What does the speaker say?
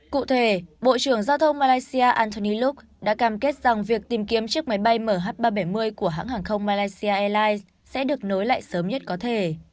cụ thể bộ trưởng giao thông malaysia antoniok đã cam kết rằng việc tìm kiếm chiếc máy bay mh ba trăm bảy mươi của hãng hàng không malaysia airlines sẽ được nối lại sớm nhất có thể